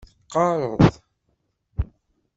Teqqareḍ?